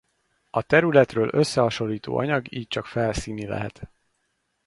A területről összehasonlító anyag így csak felszíni lehet.